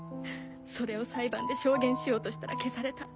それを裁判で証言しようとしたら消された。